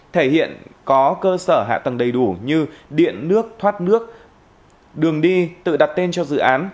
thể hiện có cơ sở hạ tầng đầy đủ như điện nước thoát nước đường đi tự đặt tên cho dự án